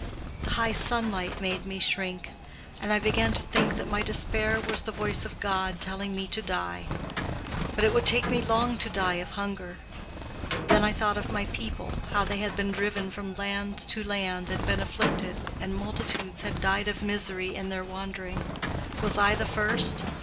The high sunlight made me shrink. And I began to think that my despair was the voice of God telling me to die. But it would take me long to die of hunger. Then I thought of my people, how they had been driven from land to land and been afflicted, and multitudes had died of misery in their wandering—was I the first?